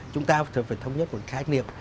chúng ta phải thông nhất một khái niệm